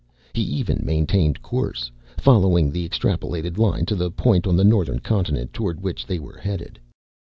He even maintained course, following the extrapolated line to the point on the northern continent toward which they were headed.